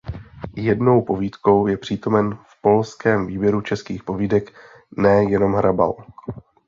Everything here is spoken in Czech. Jednou povídkou je přítomen v polském výběru českých povídek "Ne jenom Hrabal".